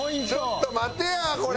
ちょっと待てやこれ！